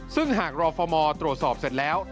ซึ่งหากรอฟอร์โมรับตรวจสอบเสร็จแล้ว